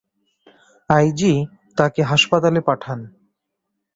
I G তাকে হাসপাতালে পাঠান।